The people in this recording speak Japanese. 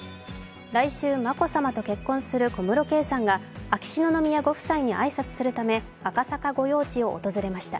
来週眞子さまと結婚する小室圭さんが秋篠宮ご夫妻に挨拶するため、赤坂御用地を訪れました。